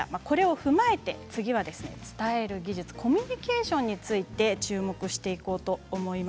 これを踏まえて、次は伝える技術、コミュニケーションについて注目します。